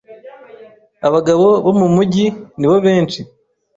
Abagabo bo mu mijyi nibo benshi